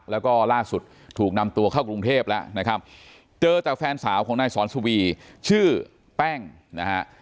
แล้วก็ล่าสุดถูกนำตัวเข้ากรุงเทพแล้วนะครับเจอแต่แฟนสาวของนายสอนสุวีชื่อแป้งนะฮะ